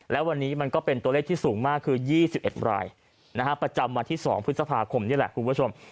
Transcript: และวันนี้มันก็เป็นตัวเลขที่สูงมากคือ๒๑รายประจำวันที่๒พฤษภาคมนี่แหละคุณผู้ชม